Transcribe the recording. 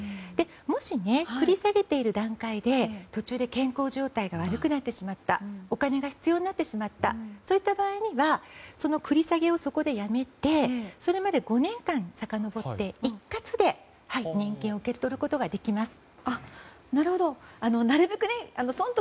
もし繰り下げている段階で途中で健康状態が悪くなってしまったお金が必要になってしまったそういった場合にはその繰り下げをそこでやめてそれまでの５年間さかのぼって一括で年金を受け取ることができます。